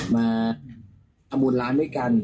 มาทำบุญร้านด้วยกัน